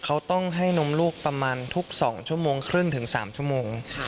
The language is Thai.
เขาต้องให้นมลูกประมาณทุก๒ชั่วโมงครึ่งถึง๓ชั่วโมง